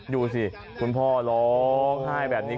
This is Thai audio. ดูสิคุณพ่อร้องไห้แบบนี้